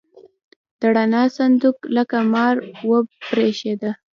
د رڼا صندوق لکه مار وپرشېده.